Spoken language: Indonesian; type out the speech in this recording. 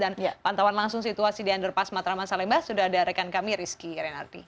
dan pantauan langsung situasi di underpass matraman salemba sudah ada rekan kami rizky renarti